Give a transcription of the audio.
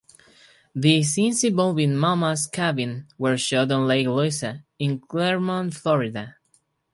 The scenes involving mama's cabin were shot on Lake Louisa, in Clermont, Florida.